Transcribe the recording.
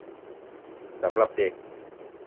สำหรับเด็ก